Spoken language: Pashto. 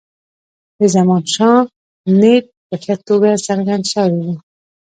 د زمانشاه نیت په ښه توګه څرګند شوی وو.